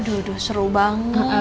aduh seru banget